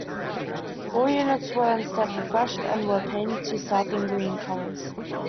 All units were instead 'refreshed' and were painted into Southern green colours.